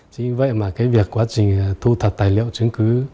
chính vậy mà cái việc quá trình thu thập tài liệu chứng cứ